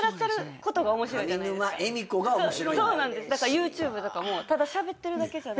ＹｏｕＴｕｂｅとかもただしゃべってるだけじゃないですか。